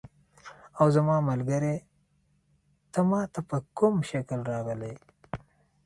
اوه زما ملګری، ته ما ته په کوم شکل راغلې؟